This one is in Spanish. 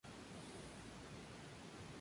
Fue Presidente Interino de la Nueva Granada.